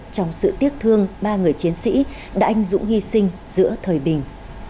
trong sự tiếc thương ba người chiến sĩ đã anh dũng hy sinh giữa thời bình